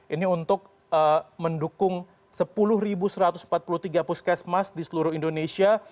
ini untuk mendukung sepuluh satu ratus empat puluh tiga puskesmas di seluruh indonesia